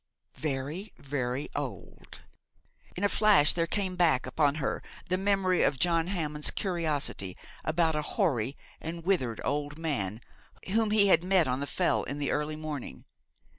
Very, very old! In a flash there came back upon her the memory of John Hammond's curiosity about a hoary and withered old man whom he had met on the Fell in the early morning.